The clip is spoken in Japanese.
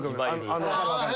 あの。